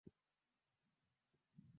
Nilimpita njiani akija